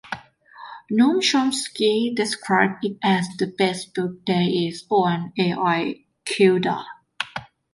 Noam Chomsky described it as the "best book there is" on Al-Qaeda.